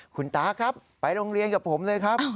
คุณตาครับไปโรงเรียนกับผมเลยครับ